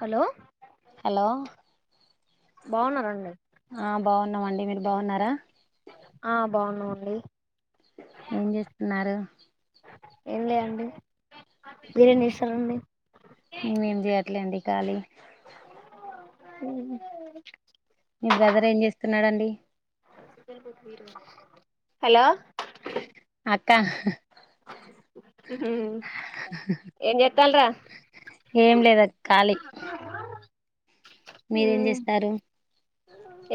Hello hello బాగున్నార అండి ఆ బాగున్నామండి మీరు బాగున్నారా ఆ బాగున్నాం అండి ఏం చేస్తున్నారు ఏం లేదు అండి మీరే చేస్తున్నారు అండి మేమేం చేయ్యట్లేండి ఖాళీ అవున మీ బ్రదర్ ఏం చేస్తున్నాడు అండి హలో అక్క ఏం చేస్తాల్రా ఏం లేదు క్క ఖాళీ, మీరేం చేసినారు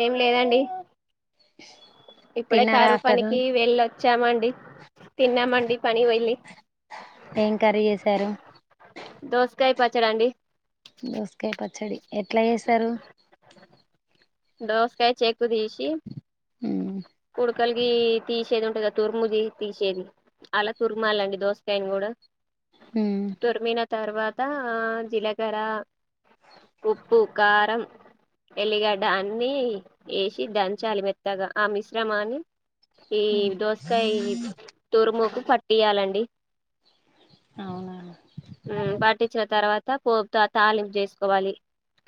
ఏం లేదండి ఇప్పుడే తిన్నారా కారు ఆఫ్టర్నూన్ పనికి వెళ్ళ చ్చమండి తిన్నమండి పని వెళ్లి ఏం కర్రీ చేసారు దోసకాయ పచ్చడా అండి దోసకాయ్ పచ్చడి ఎట్ల చేసారు దోస్కాయ్ చెక్కుదీసి హ్మ్ కలిగి తీసేది ఉంటు కా తుర్ముది తీసేది అలా తుర్మాలండి దోసకాయని కూడా మ్మ్ తుర్మిన తర్వాత జీలకర ఉప్పు కారం ఎల్లిగడ్ దాన్ని వేసి దంచాలి మెత్తగా ఆ మిశ్రమాని ఈ దోస్తకాయ్ ఈ తురుముకు పట్టియాలండి అవునా మ్ పార్ వచ్చిన తర్వాత పోపుతో తాలింపు చేసుకోవాలి,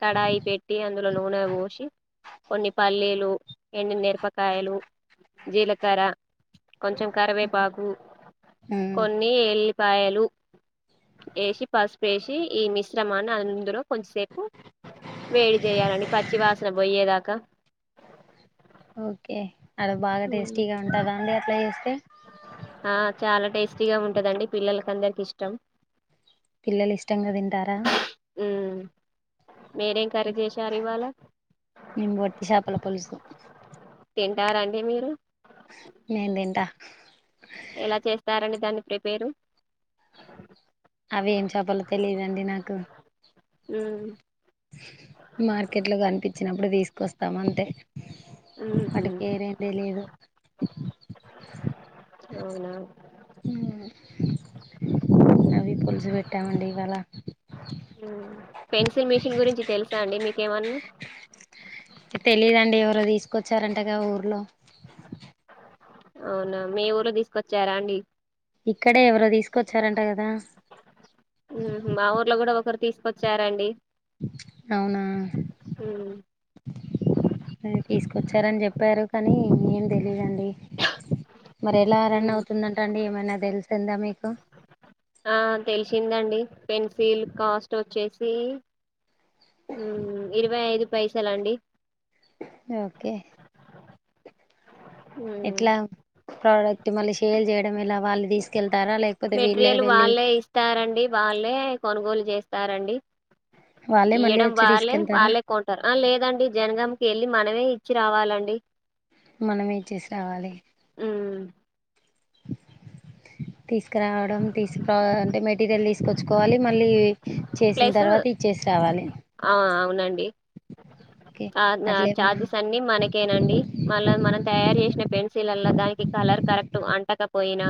కడాయి పెట్టి అందులో నూనె పోసి కొన్ని పల్లీలు, ఎండు నిరపకాయలు, జీలకర్ర, కొంచెం కరివేపాకు మ్మ్ కొన్ని ఎల్లిపాయలు వేసి, పసుపు వేసి ఈ మిశ్రమాన్ని అందులో కొద్సేపు వేడి చేయాలని పచ్చివాస పోయేదాకా ఓకే అది బాగా ఉమ్, టేస్టీగా ఉంటుంద అండి ఇలా చేస్తే ఆ చాలా టేస్టీగా ఉంటదండి పిల్లలకి అందరికి ఇష్టం పిల్లలు ఇష్టంగా తిం తింటారా మీరింక మేము వట్టి చేపల పులుసు తింటారా అండి మీరు నేను తింటా ఎలా చేస్తారండి దాన్ని ప్రిపేరు అవ్వి ఏం చేప్పల్లో తెలీదండి. నాకు మ్మ్ మార్కెడ్లో కనిపించినప్పుడు తీసుకొస్తాం, అంతే మ్హు వాటి పేరేం లేలియదు. అవునా హ్మ్ మ్మ్ అవి పులుసు పెట్టామండి ఇవాళ పెన్సిల్ మిషిన్ గురించి తెలుసా అండి. మీకేవన్నా లేదండి. ఎవర్లో దీస్కొచ్చారంటగా ఊర్లో అవునా మీ ఊర్లో దీస్కొచ్చారాండి. ఇక్కడే ఎవ్వరో దీస్కొచ్చారంట, కదా తీస్కొచ్చారాండి. అవునా మ్మ్ నే హ్మ్ తీస్కొచ్చారని జెప్పారు. కానీ ఏం తెలియన్ మరి ఎలా రన్ మ్మ్ అవుతుందంట అండి. ఏమైనా దెల్స్ తెల్దా మీక్ కా ఆన్ తెల్సిందండి. పెన్సిల్ కాస్ట్ వచ్చేసి హ్మ్ ఇరువే ఐదు పైసలాండి. న్యుఓకే హ్మ్మ్ ప్రాడక్ట్ మళ్ళీ షేల్ చేయడం. ఇలా వాళ్ళు దీస్కెళ్ మెట్రీయల్ వాళ్ళే ఇస్తారండి. వాళ్ళే కొనుగోల్ జేస్త్ త్తారండి. వాళ్ళే ఇ మళ్ళీ ఇయెడం వచ్చి వాళ్లేే తీసుకెళ్తారా వాళ్ళే కొంటారు. ఆ లేదండి. జనగాంకి వెళ్ళి మనమే ఇ చ్చి రావాలండి. మనమే చ్చేస్ రావాల్లే ఉమ్ తీస్కరావడం తీస్ క్రా అంటే, మెటీరియల్ తీసుకొచ్చుకోవాలి. మళ్ళీ చేసిన్ ప్లస్ తర్వాత ఇచ్చేసి రావాలే. ఆ అవునండి. ఓకే అట్లా చార్డన్ర్ ఏమన్నా చార్జెస్ అన్ని మనకేనండి. మళ్ళా మనం త్యారి చేసి ప్లెమ్ పెన్స్ శీలల్ల దానికి, కలర్ కరెక్ట్ అంటకపోయినా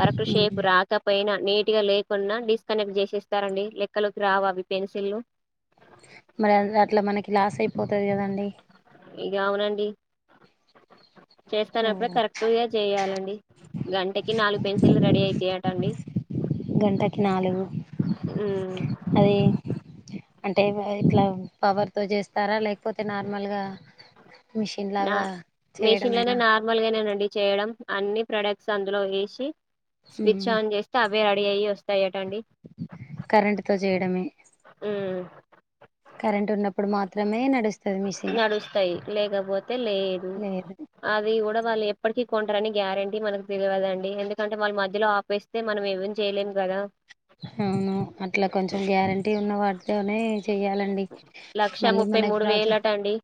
కరెక్టు షేప్ప్ రాక పోయినన్ నీట్ గా లేకుంన్నా డిస్కనెక్ట్ చేసేస్తారండి. లెక్కలోకి రావ అవి పెన్సిల్లు మర్యాన్ రా అట్లా మనకి లాస్ అయిపోతది, కదాండి. ఇగే అవునండి. ఓ, చేస్తానప్పుడే కరెక్టు గే చేయాలండి. గంటకి నాలుగు పెన్సిల్ రెడీ అయితేయంటండి. గంటకి నాలగు ఉమ్ అదే ప్చ్ అంటే ఇవ ఇట్లావ్ పవర్ తో జేస్తారా, లేకపోతే నార్మల్గా మిషన్ లాగా నార్ మెషిన్ లనే చేయడమేనా నార్మల్గానేనండి చేయడం అన్ని ప్రొడక్ట్స్ అందులో ఏసి స్విచ్ ఆన్ చేస్తే అవ్ వే అడి అయి వస్తాయి అట్ కరెంటుతో చేయడమే ఉమ్ కరెంట్ ఉన్నప్పుడు మాత్రమే నడుస్తది మిషిన్ నడుస్తాయి లేకపోతే లేదు అది ఊడవాలి ఎప్ప టికీ కొంటరని గ్యారంటీ మనకు తెలియదండి ఎందుకంటే వాళ్ళ మధ్యలో ఆపేస్తే మనం ఏం చేయలేం కదా అవును అట్లా కొంచెం గ్యారంటీ ఉన్న వాటితోనే చెయాలండి లక్ష మళ్ళీ ముప్పై మనకి మూడు ప్రాజక్ వేలట అండి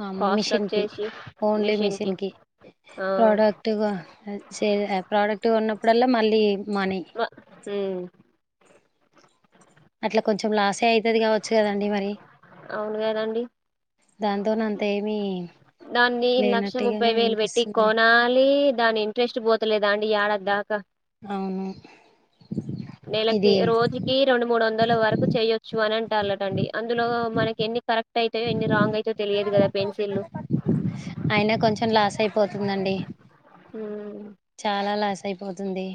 అ మా అమ్మ కాస్ట్ మిషన్కి వచ్చేసి ఓన్లీ మిషన్ కి మిషన్కి ఆ ప్రోడక్ట్, కో చే ప్రొడక్ట్ కొన్నప్పుడల్లా మళ్ళీ మనీ మ- ఉమ్ అట్ల కొంచెం లాసే అయి తది కావచ్చు కదండి మరి అవును కదండి దాంతోన అంత ఏమి దాన్ని లక్ష ముప్పై లేనట్టుగానే వేలు పెట్టి అనిపిస్తుంది కొనాలి దాని ఇంట్రెస్ట్ పోతలేదా అండి యాడ దా అవును నెలకి ఇది రోజుకి రెండు మూడు వందల వరకు చేయొచ్చు అనన్ టాల టండి అందులో మనకి ఎన్ని కరెక్ క్ట్ యితే యో ఎన్ని రాంగ్ అయితాయో తెలియదు కదా పెన్సిల్లు అయినా కొంచెం లాస్ అయిపోతుందండి [unintelligible] చాలా లాస్ అయిపోతుంది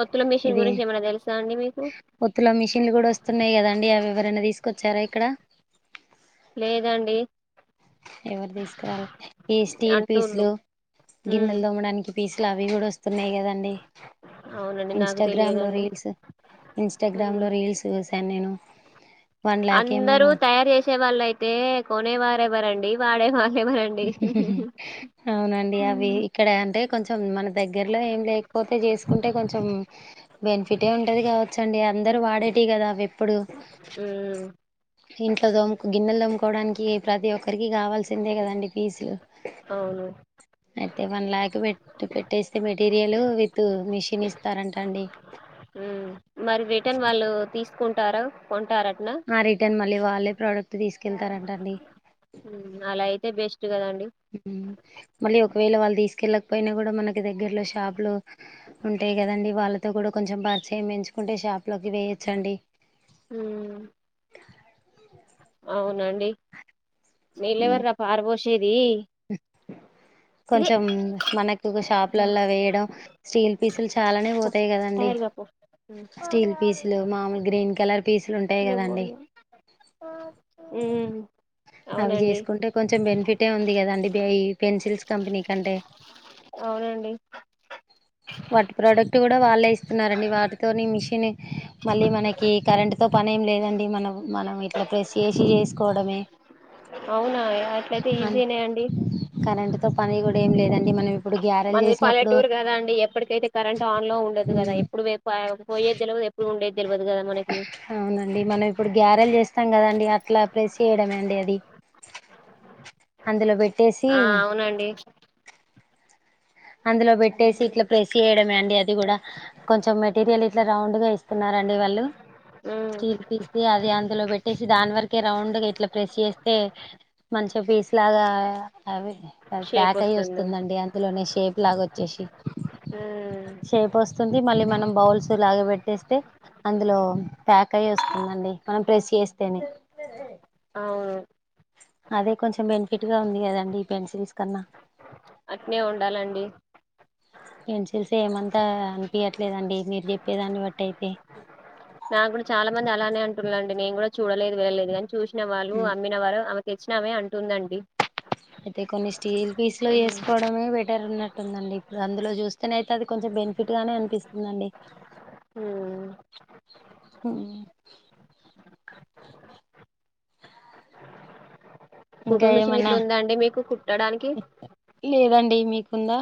ఒత్తుల మిషన్ ఇది గురించి ఏమైనా తెలుసా అండి మీకు ఒత్తుల మిషిన్లు కూడా వస్తున్నాయి కదండి అవి ఎవరన్న తీస్ కొచ్చారా ఇక్కడ లేదండి ఎవరు తీసుకురాలే ఈ స్టీల్ అంటుళ్ళు పీసులు ఉమ్ గిన్నెలు దోమడానికి పీసులు అవి కూడా వస్తున్నాయి్ కదండి అవునండి నాకు ఇన్స్టాగ్రామ్ లో తెలియదండి రీల్స్ ఇన్స్టాగ్రామ్ ఉమ్ లో రీల్స్ స్ న్నా నేను అందరూ తయారు చేసే వాళ్ళు అయితే కొనేవారు ఎవరండి వాడే వాహ్ అవునండి అవి ఉమ్ ఇక్కడ అంటే కొంచెం మన దగ్గరలో ఏం లేకపోతే చేసుకుంటే కొంచెం బెనిఫిటే ఉంటది కావచ్చండి అందరుూ వాడేటివి కదా అవి ప్పుడు ఉమ్, ఇంట్లో దోమ్ గిన్నెలు దోముకోడానికి ప్రతి ఒక్కరికి కావాల్సిందే కదండి ఫీజులు అవును అయితే వన్ ల్యాక్ పెట్ పెట్టేస్తే మెటీరియల్ విత్ మిషిన్ ఇస్తారంట అండి ఉ మరి విటన్ వాళ్ళు తీస్ కుంటారు కొంటార ఆ రిటర్న్ మళ్లీ వాళ్లే ప్రోడక్ట్ తీసుకెళ్తారంటండి ఉ అలా అయితే బెస్ మళ్ళీ ఒక ఒకవేళ వాళ్ళు తీసుకెళ్ళకపోయినా కూడా మనకి దగ్గరలో షాప్లు ఉంటాయి కదండి వాళ్ళతో కూడా కొంచెం పరిచయం ఎంచుకుంటే షాప్ అవి వేయొచ్చండి ఉమ్ అవునండి నీళ్ళు ఉమ్, ఎవరు రా పారుబోష్ ది కొంచెం మనకు ఒక షాపులలో వేయడం స్టీల్ పీసులు చాలానే పో పోతాయి కదండి తయారుగా పో స్టీల్ పీసులు మామూలు గ్రీన్ కలర్ పీసులు ఉంటాయి కదండి ఉమ్ అవి అవునండి చేసుకుంటే కొంచెం బెనిఫిటే ఉంది కదండి ఈ పెన్సిల్స్ కంపెనీ కంటే అవునండి వాటి ప్రోడక్ట్ కూడా వాళ్ళే ఇస్తున్నారండి వాటితోని మిషన్ మళ్ళీ మనకి కరెంట్ తో పని ఏం లేదండి మనం మనం ఇట్లా ప్రెస్ చేసి చేసుకోవడమే అవునా అట్లయితే ఈజీనే అండి కరెంట్ తో పని కూడా ఏం లేదండి మనం ఇప్పుడు గ్యారలు చేసినప్పుడు కద అండి ఎప్పటికైతే కరెంట్ ఆన్ లో ఉండదు కదా ఎప్పుడు పోయేది తెలవదు ఎప్పుడు ఉండేది తెలవదు కదా మనకి అవునండి మనం ఇప్పుడు గ్యారెల్ చేస్ తం కదండి అట్లా ప్రేస్ చేయడమే అండి అది ల పెట్ ఆ అవునండి అందులో పెట్టేసి ఇట్లా ప్రెస్ చేయడమే అండి కూడా కొంచెం మెటీరియల్ ఇట్లా రౌండ్ ఇస్తున్నారండీ వాళ్ళు ఉమ్ స్టీల్ తీసి అది అందులో పెట్టేసి దాని వరకే రౌండ్ ఇట్లా ప్రెస్ చేస్తే మంచ్ పీస్ లాగా అవి షేప్ ప్యాక్ అయ్యి వస్తుంది వస్తుందండి అందులోనే షేప్ లాగ వచ్చేసి ఉమ్ షేప్ వస్తుంది మళ్ళీ మనం బౌల్స్ లాగా పెట్టేస్తే అందులో ప్యాక్ అయ్యి వస్తుందండి మనం ప్రెస్ చేస్తేనే అవును అదే కొంచెం బెనిఫిట్ గా ఉంది కదండి ఈ పెన్సిల్స్ కన్నా అట్నే ఉండాలండి పెన్సిల్స్ ఏమంతా అనిపియట్లేదండి మీరు చెప్పేదాన్ని బట్టయితే నాకు కూడా చాలా మంది అలానే అంటున్నా అండి నేను కూడా చూడలేదు వెళ్ళలేదు కాని చూస్ న వాళ్ళు అమ్మిన వారు తెచ్చినామే అంటుందండి అయితే కొన్ని స్టీల్ పీస్ లో హ్మ్. వేసుకోవడమే బెట్ టర్ ఉన్నట్టుందండి ఇప్పుడు అందులో చూస్తేనే అయితే అది కొంచెం బెనిఫిట్ గానే అనిపిస్తుందండి హ్మ్. హుమ్ కుట్టు ఇంకా మిషన్ ఏమన్నా ఇట్లా ఉందా అండి మీకు కుట్టడానికి లేదండి మీక్ ఉందా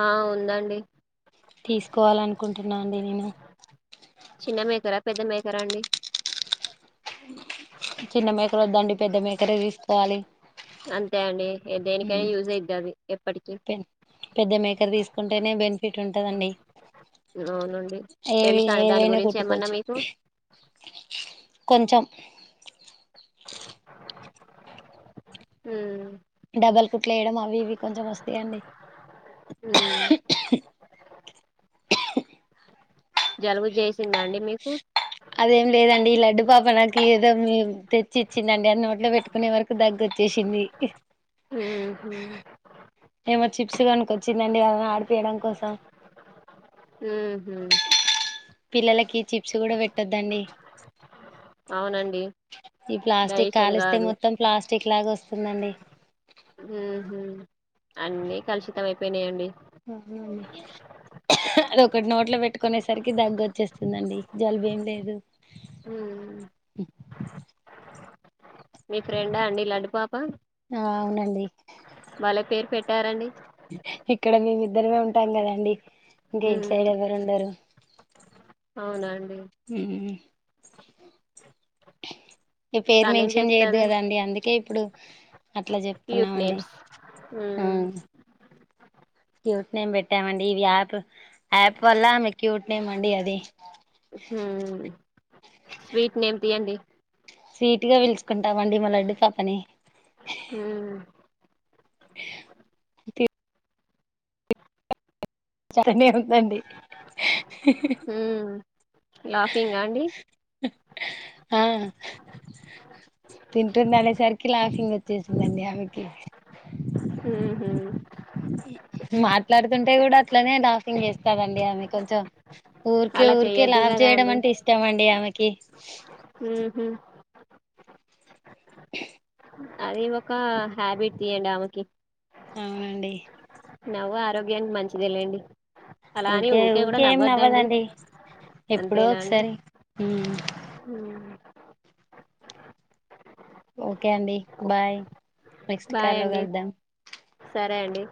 ఆ ఉందండి తీసుకోవాలనుకుంటున్నా అండి నేను చిన్న మేకరా పెద్ద మేకరా అండి చిన్న మేకర వద్దండి పెద్ద మేకరే తీసుకోవాలి అంతే అండి దేనికైనా యూజ్ అయిద్దది పె పెద్ద మేకర్ తీసుకుంటేనే బెనిఫిట్ ఉంటదండి అవునండి ఏవి తెలుసా అండి దాని ఏవైనా గురించి ఏమన్నా కుట్టుకోవచ్చు మీకు కొంచెం ఊమ్ డబల్ కుట్లు వేయడం అవి ఇవి కొంచెం వస్తాయండి హ్మ్. జలుబు చేస్ అదేం లేదండి ఈ లడ్డు పాప నాకు ఏదో తెచ్చి చ్చిందండి అది నోట్లో పెట్టుకునే వరకు దగ్గొచ్చేసింది ఉమ్ హు ఏమో చిప్స్ కొనుకొచ్చిందండి వాళ్ళని ఆడిపియడం కోసం హుహు. పిల్లలకి చిప్స్ కూడా పెట్టొద్దండి అవునండి ఈ ప్లాస్టిక్ డైజెషన్ కాలుస్తే కాదు మొత్తం ప్లాస్టిక్ లాగా వస్ అవునండి హుహు అన్నీ కలుషితం అయిపోయినాయండి అ అది ఒకటి నోట్లో పెట్టుకునేసరికి దగ్గొచ్చేస్తుందండి జలుబు ఏం లేదు హుమ్ [inaudible] మీ ఫ్రెండా అండి లడ్డుపాప్ ఆ అవునండి టారండి ఇక్కడ మేమిద్దరమే ఉంటాం కదండి ఇంక ఇటు హ్మ్. సైడ్ ఎవరు ఉండరు అవునా అండి ఉమ్ ఈ పేరు తనేం మెన్షన్ చేయొద్దు చేస్తాద కదా అండి అందుకే ఇప్పుడు అట్లా క్యూట్ చెప్తున్నామండి నేమ్స్ ఆ హ్మ్ క్యూట్ నేమ్ పెట్టామండి ఇవి యాప్ యాప్ వల్ల ఆమెకి హ్మ్ స్వీట్ నేమ్ తీయండి స్వీట్ గా పిలుచుకుంటామండి మా లడ్డు పాపని హ్మ్ చాల్లే అందండి హ్మ్ లాఫింగా అండి ఆ తింటుంది అనేసరికి లాఫింగ్ వచ్చేసిందండి ఆమెకి ఊహూ మాట్లాడుతుంటే కూడా అట్లనే లా ఫింగ్ చేస్తాదండి ఆమి కొంచెం ఊర్కే అలా ఊర్కే చెయ్యొద్దు లాఫింగ్ కదా చేయడం అండి అంటే ఇష్టమండి ఆమెకి ఊహూ అది ఒక హ్యాబిట్ తీయండి ఆమెకి అవునండి నవ్వు ఆరోగ్యానికి మంచిదే లేండి ఊకే ఊకే ఏమి నవ్వదండి ఎప్పుడో అంతేనా అండి ఒకసారి హ్మ్. ఓకే అండి బాయ్ నెక్స్ట్ బాయ్ అండి కాల్లోగలుద్దాం సరే అండి